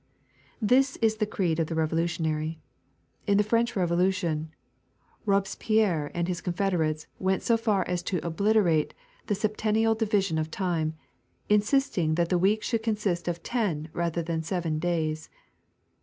This is the creed of the revolutionary. In the French Revolution, Robespierre and his confederates went so far as to ohliteratie the septennial division of time, insisting that the week should consist of ten rather than seven days.